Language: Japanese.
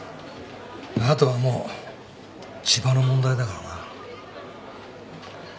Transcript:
後はもう千葉の問題だからな。